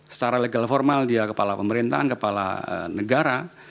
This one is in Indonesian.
secara legal formal dia kepala pemerintahan kepala negara